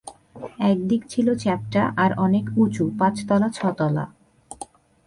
একদিক ছিল চেপ্টা আর অনেক উঁচু, পাঁচ-তলা ছ-তলা।